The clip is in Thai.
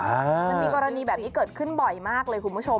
มันมีกรณีแบบนี้เกิดขึ้นบ่อยมากเลยคุณผู้ชม